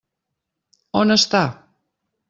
On està?